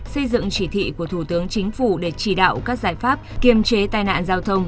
xây dựng chỉ thị của thủ tướng chính phủ để chỉ đạo các giải pháp kiềm chế tai nạn giao thông